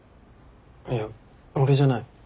いや俺じゃない。